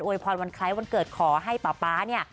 ยพรวันคล้ายวันเกิดขอให้ป๊าป๊าเนี่ย